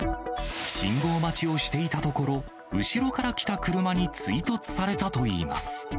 信号待ちをしていたところ、後ろから来た車に追突されたといいます。